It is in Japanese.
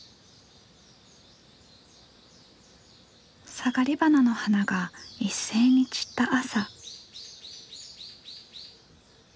サガリバナの花が一斉に散った朝。